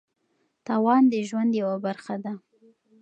تاوان د ژوند یوه برخه ده.